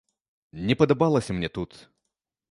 Не падабалася мне тут.